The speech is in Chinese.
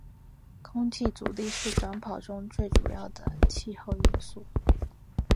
空气阻力是短跑中最主要的气候因素。